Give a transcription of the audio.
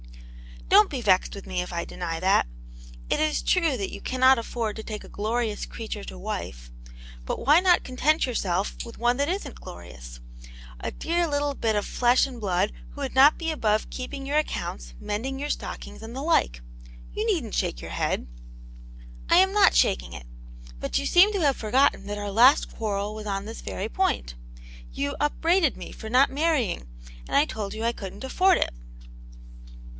" Don't be vexed with me if I deny that. It is true that you cannot afford to take a glorious crea ture to wife; but why not content yourself with one that isn't glorious : a dear little bit of flesh and blood, who would not be above keeping your accounts, mending your stockings and the like ? You needn't shake your head," 4 Aunt Janets Hero* " I am not shaking it. But you seem to have forgotten that our last quarrel was on this very point. You upbraided me for not marrying, and I told you I couldn't afford it."